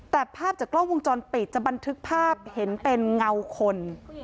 แต่ภาพจากกล้องวงจรปิดจะบันทึกภาพเห็นเป็นเงาคน